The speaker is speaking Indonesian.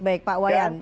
baik pak wayan